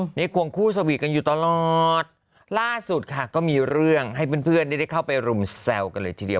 นี่ควงคู่สวีทกันอยู่ตลอดล่าสุดค่ะก็มีเรื่องให้เพื่อนเพื่อนได้เข้าไปรุมแซวกันเลยทีเดียว